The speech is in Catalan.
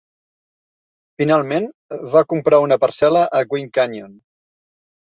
Finalment, va comprar una parcel·la a Gwin Canyon.